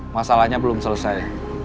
masalahnya belum selesai